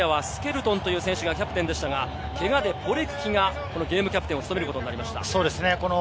大西さん、スケルトンという選手がキャプテンでしたが、けがでポレクキがゲームキャプテンを務めることになりました。